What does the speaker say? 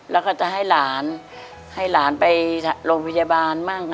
แล้วก็จะให้หลานให้หลานไปโรงพยาบาลบ้าง